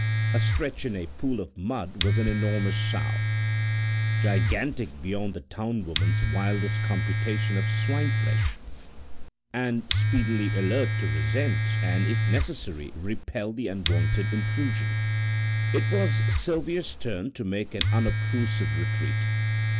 Astretch in a pool of mud was an enormous sow, gigantic beyond the town woman's wildest computation of swine flesh, and speedily alert to resent and if necessary repel the unwonted intrusion. It was Sylvia's turn to make an unobtrusive retreat.